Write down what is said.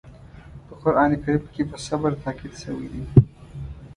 په قرآن کریم کې په صبر تاکيد شوی دی.